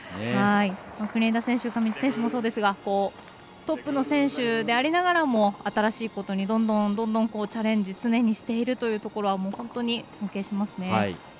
国枝選手、上地選手もそうですがトップの選手でありながらも新しいことにどんどんチャレンジ常にしているというところは本当に尊敬しますね。